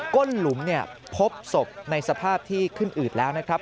้นหลุมพบศพในสภาพที่ขึ้นอืดแล้วนะครับ